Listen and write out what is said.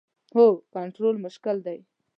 هو، کنټرول مشکل دی